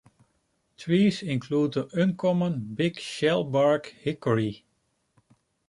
Trees include the uncommon Big Shellbark Hickory.